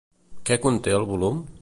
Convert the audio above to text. Què conté el volum?